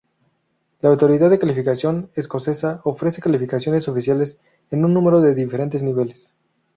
La autoridad de calificaciones escocesas ofrece calificaciones oficiales en un número de diferentes niveles.